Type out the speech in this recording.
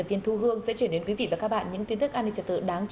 kính chào quý vị và các bạn